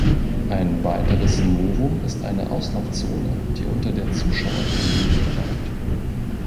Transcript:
Ein weiteres Novum ist eine Auslaufzone, die unter der Zuschauertribüne verläuft.